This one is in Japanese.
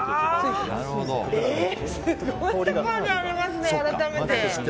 すごいところにありますね改めて。